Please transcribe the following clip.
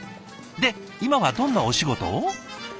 で今はどんなお仕事を？